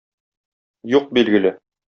Юк, билгеле.